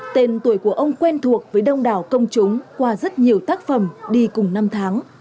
tên tuổi của ông quen thuộc với đông đảo công chúng qua rất nhiều tác phẩm đi cùng năm tháng